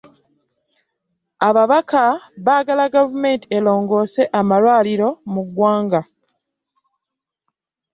Ababaka baagala gavumenti erongose amalwaliro mu ggwanga.